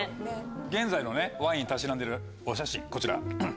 現在のワインたしなんでるお写真こちら。